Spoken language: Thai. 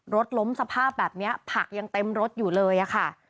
รถล้มสภาพแบบนี้ผักยังเต็มรถอยู่เลยอะค่ะ